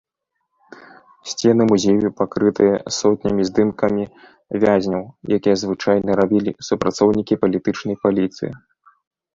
Сцены музею пакрытыя сотнямі здымкамі вязняў, якія звычайна рабілі супрацоўнікі палітычнай паліцыі.